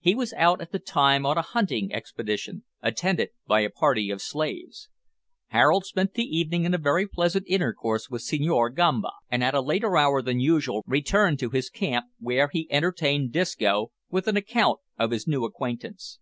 He was out at the time on a hunting expedition, attended by a party of slaves. Harold spent the evening in very pleasant intercourse with Senhor Gamba, and at a later hour than usual returned to his camp, where he entertained Disco with an account of his new acquaintance.